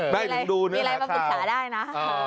มีอะไรมาปรึกษาได้นะ